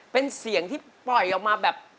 เป็นเสียงที่ปล่อยออกมาแบบ